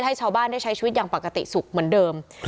ให้ชาวบ้านได้ใช้ชีวิตอย่างปกติสุขเหมือนเดิม